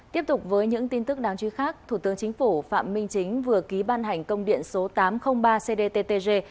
tiếp tục với những tin tức đáng chú ý khác thủ tướng chính phủ phạm minh chính vừa ký ban hành công điện số tám trăm linh ba cdttg